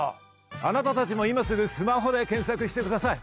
あなたたちも今すぐスマホで検索してください。